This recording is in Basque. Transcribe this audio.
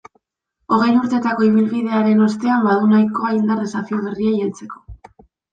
Hogei urtetako ibilbidearen ostean, badu nahikoa indar desafio berriei heltzeko.